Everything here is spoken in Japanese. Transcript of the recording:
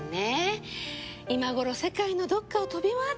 今頃世界のどこかを飛び回ってるわよ。